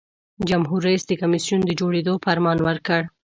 جمهور رئیس د کمیسیون د جوړیدو فرمان ورکړ.